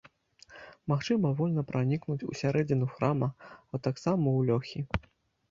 Магчыма вольна пранікнуць усярэдзіну храма, а таксама ў лёхі.